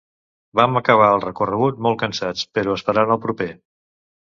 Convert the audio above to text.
Vam acabar el recorregut molt cansats, però esperant el proper.